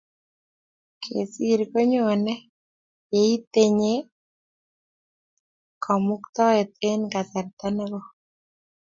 Kesir konyone yeitinye kamuktaet eng kasarta ne koi